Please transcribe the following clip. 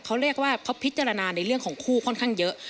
เขาเรียกว่าเขาพิจารณาในเรื่องของคู่ค่อนข้างเยอะ